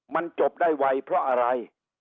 มันจบได้ไวเพราะอะไร